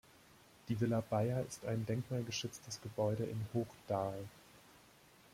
Die Villa Bayer ist ein denkmalgeschütztes Gebäude in Hochdahl.